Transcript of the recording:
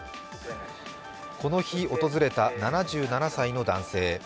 この日訪れた７７歳の男性。